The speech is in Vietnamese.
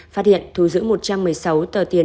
phát hiện thu giữ một trăm một mươi sáu tờ tiền